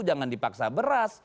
jangan dipaksa beras